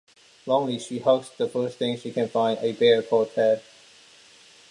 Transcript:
Lonely, she hugs the first thing she can find, a bear called Ted.